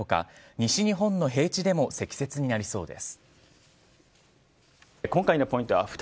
西日本の平地でも積雪になりそうです。